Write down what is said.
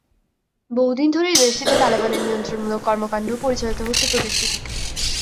বহু দিন ধরেই দেশটিতে তালেবানের নিয়ন্ত্রণমূলক কর্মকাণ্ডও পরিচালিত হচ্ছে প্রদেশটি থেকে।